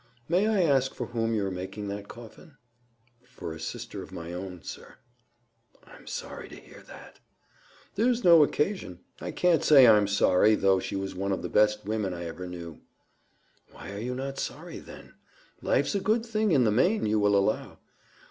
"May I ask for whom you are making that coffin?" "For a sister of my own, sir." "I'm sorry to hear that." "There's no occasion. I can't say I'm sorry, though she was one of the best women I ever knew." "Why are you not sorry, then? Life's a good thing in the main, you will allow."